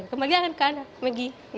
kembali aja kan maggie